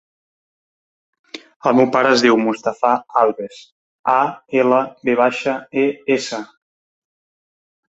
El meu pare es diu Mustafa Alves: a, ela, ve baixa, e, essa.